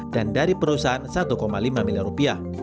dan dari perusahaan satu lima miliar rupiah